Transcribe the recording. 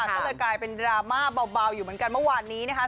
ก็เลยกลายเป็นดราม่าเบาอยู่เหมือนกันเมื่อวานนี้นะคะ